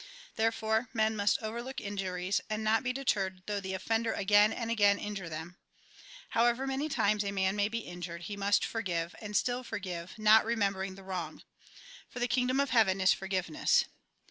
Therefore men must overlook injuries, and not be deterred though the offender again and again injure them. However many times a man may be injured, he must forgive, and still forgive, not remembering the wrong. For the Kingdom of Heaven is forgiveness.